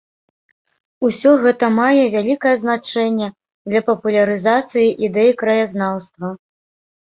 Усё гэта мае вялікае значэнне для папулярызацыі ідэй краязнаўства.